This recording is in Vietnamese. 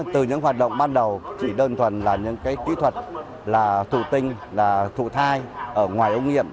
từ những hoạt động ban đầu chỉ đơn thuần là những cái kỹ thuật là thủ tinh là thủ thai ở ngoài ống nghiệm